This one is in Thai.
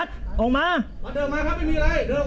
ศัลรี่